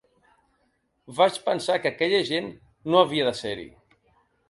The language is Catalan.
Vaig pensar que aquella gent no havia de ser-hi.